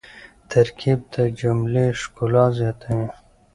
ترکیب د جملې ښکلا زیاتوي.